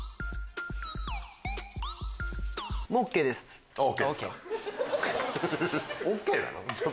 ＯＫですか。